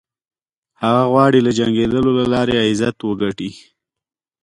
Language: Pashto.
هغه غواړي له جنګېدلو له لارې عزت وګټي.